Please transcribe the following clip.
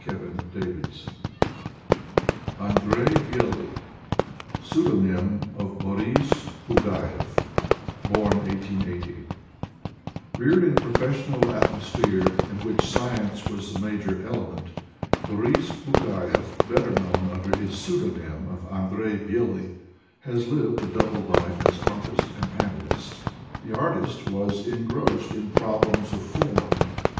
r > fc — J ~ Andrey Bely (Pseudonym of Boris Bugayev; bom x88o) Reared in a professorial atmosphere, in which science was the major element, Boris Bugayev, better known under his pseudonym of Andrey Bely, has lived a double life of artist and analyst The artist was engrossed in problems of form.